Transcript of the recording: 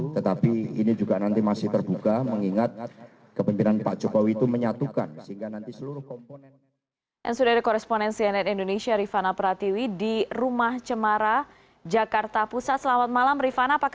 tetapi ini juga nanti masih terbuka mengingat kepimpinan pak jokowi itu menyatukan